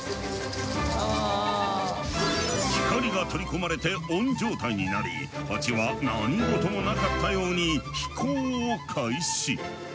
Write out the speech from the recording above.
光が取り込まれてオン状態になりハチは何事もなかったように飛行を開始。